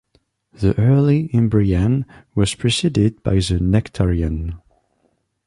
The Early Imbrian was preceded by the Nectarian.